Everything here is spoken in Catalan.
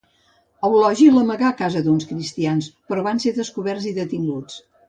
Eulogi l'amagà a casa d'uns cristians, però van ser descoberts i detinguts.